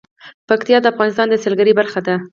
پکتیا د افغانستان د سیلګرۍ برخه ده.